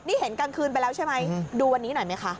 นี่เห็นกลางคืนไปแล้วใช่ไหมดูวันนี้หน่อยไหมคะ